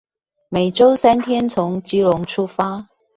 每週三天從基隆出發